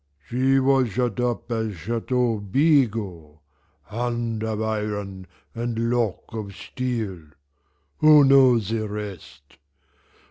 "She was shut up at Chateau Bigot hand of iron and lock of steel who knows the rest!